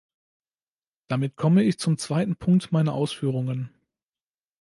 Damit komme ich zum zweiten Punkt meiner Ausführungen.